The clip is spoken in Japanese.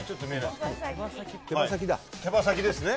手羽先ですね。